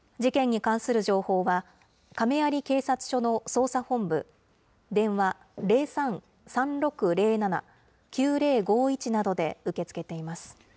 事件に関する情報は、亀有警察署の捜査本部、電話０３ー３６０７ー９０５１などで受け付けています。